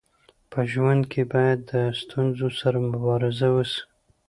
په ژوند کي باید د ستونزو سره مبارزه وسي.